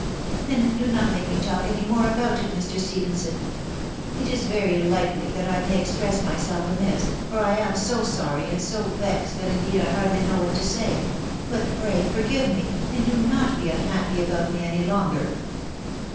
" Then do not make me talk any more about it, Mr. Ste phenson. It is very likely that I may express myself ami*, for I am so sorry and so vexed that indeed I hardly know what I say; .... but pray forgive me, and do not be unhappy about me any longer."